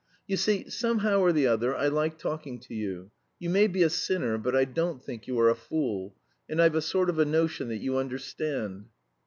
"You see, somehow or the other I like talking to you. You may be a sinner, but I don't think you are a fool; and I've a sort of a notion that you understand."